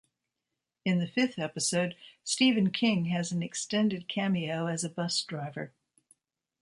In the fifth episode, Stephen King has an extended cameo as a bus driver.